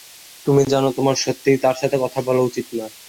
তুমি জানো, তোমার সত্যিই তার সাথে কথা বলা উচিত নয়।